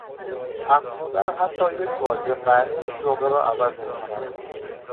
افزودن حتی یک واژه معنی این جمله را عوض میکند.